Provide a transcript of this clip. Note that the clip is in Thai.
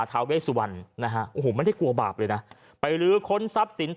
ทาวเวซวันนะฮะโอ้โหมันได้กลัวบาปเลยนะไปลื้อค้นทรัพย์